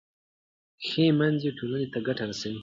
ښه میندې ټولنې ته ګټه رسوي.